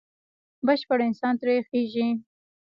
بشپړ انسان ترې خېژي.